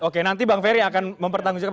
oke nanti bang ferry akan mempertanggung jawab